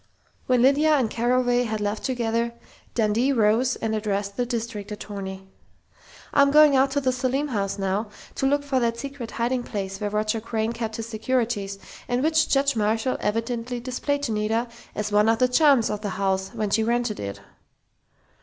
When Lydia and Carraway had left together, Dundee rose and addressed the district attorney: "I'm going out to the Selim house now, to look for that secret hiding place where Roger Crain kept his securities, and which Judge Marshall evidently displayed to Nita, as one of the charms of the house when she 'rented' it."